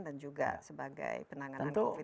dan juga sebagai penanganan covid sembilan belas